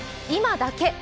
「今だけ！